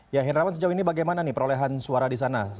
ya hendrawan sejauh ini bagaimana nih perolehan suara di sana